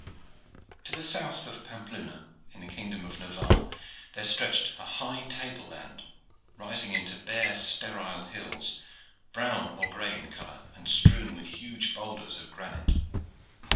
To the south of Pampeluna in the kingdom of Navarre there stretched a high table land, rising into bare, sterile hills, brown or gray in color, and strewn with huge boulders of granite.